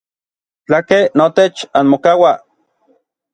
Tlakej notech anmokauaj.